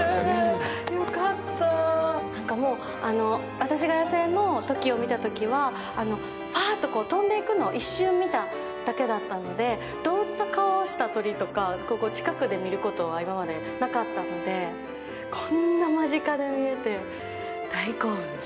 よかった私が野生のトキを見たときはぱっと飛んでいくのを一瞬見ただけだったのでどんな顔をした鳥とか近くで見ることは今までなかったのでこんな間近で見れて大興奮。